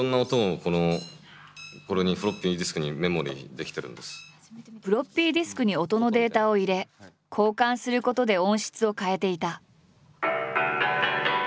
フロッピーディスクに音のデータを入れ交換することで音質を変えていた。